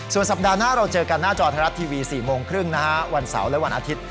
ส่วนสัปดาห์หน้าเราเจอกันหน้าจอไทยรัฐทีวี๔โมงครึ่งนะฮะวันเสาร์และวันอาทิตย